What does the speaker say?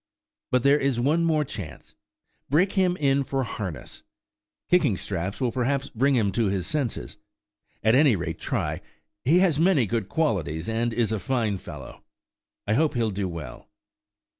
But there is one more chance. Break him in for harness. Kicking straps will perhaps bring him to his senses. At any rate try; he has many good qualities, and is a fine fellow. I hope he'll do well."